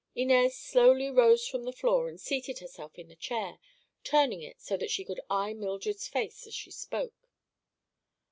Inez slowly rose from the floor and seated herself in the chair, turning it so that she could eye Mildred's face as she spoke.